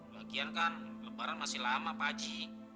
bagian kan lebaran masih lama pak haji